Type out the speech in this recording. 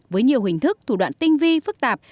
với nhiều hình thức thủ đoạn tinh vi phức tạp